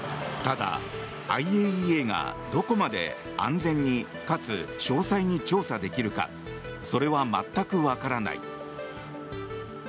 ただ、ＩＡＥＡがどこまで安全にかつ詳細に調査できるかそれは全くわからない。